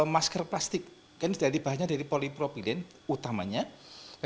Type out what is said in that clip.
masker plastik bahannya dari polipropilin utamanya